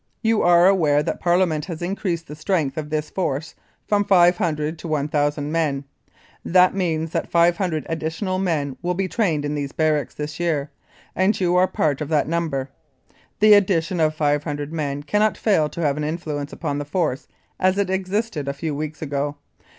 You are aware that Parliament has increased the strength of this Force from 500 to 1,000 men. That means that 500 additional men will be trained in these barracks this year, and you are part of that number. The addition of 500 men cannot fail to have an influence upon the Force as it existed a few weeks ago.